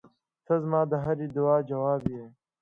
• ته زما د هر دعا جواب یې.